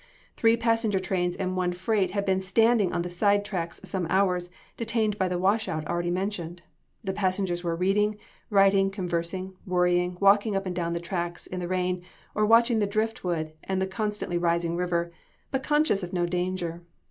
Three passenger trains and one freight had been standing on the side tracks some hours, detained by the wash out already mentioned. The passengers were reading, writing, conversing, worrying, walking up and down the tracks in the rain, or watching the driftwood and the constantly rising river, but conscious of no danger.